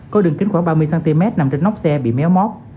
có đường kính khoảng ba mươi cm nằm trên nóc xe bị méo mót